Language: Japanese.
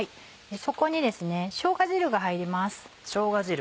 そこにしょうが汁が入ります。